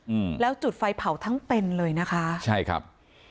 อืมแล้วจุดไฟเผาทั้งเป็นเลยนะคะใช่ครับ